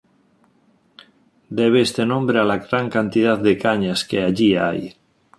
Debe este nombre a la gran cantidad de cañas que allí hay.